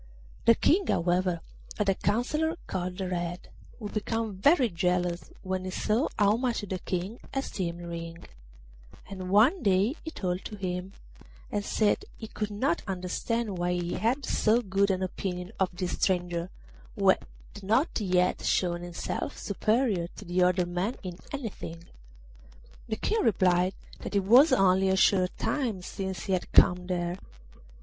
The King, however, had a counsellor called Red, who became very jealous when he saw how much the King esteemed Ring; and one day he talked to him, and said he could not understand why he had so good an opinion of this stranger, who had not yet shown himself superior to other men in anything. The King replied that it was only a short time since he had come there.